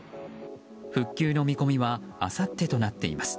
復旧の見込みはあさってとなっています。